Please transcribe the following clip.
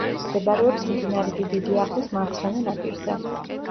მდებარეობს მდინარე დიდი ლიახვის მარცხენა ნაპირზე.